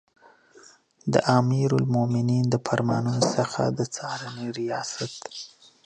د امیرالمؤمنین د فرمانونو څخه د څارنې ریاست